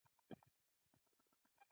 بادرنګ د معدې سوزش ته ارامتیا ورکوي.